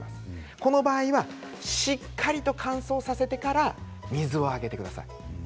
この場合にはしっかり乾燥させてから水をあげてください。